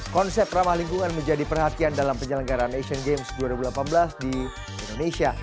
konsep ramah lingkungan menjadi perhatian dalam penyelenggaran asian games dua ribu delapan belas di indonesia